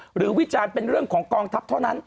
วิจารณ์เป็นเรื่องของกองทัพเท่านั้น